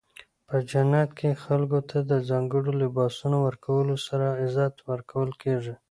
په جنت کې خلکو ته د ځانګړو لباسونو ورکولو سره عزت ورکول کیږي.